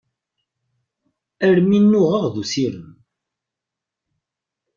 Armi nnuɣeɣ d usirem.